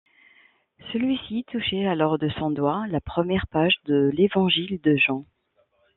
Celui-ci touchait alors de son doigt la première page de l'évangile de Jean.